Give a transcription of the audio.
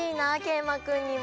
いまくんにも。